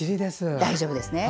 大丈夫ですね。